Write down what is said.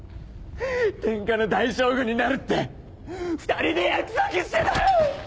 天下の大将軍になるって２人で約束してたのに！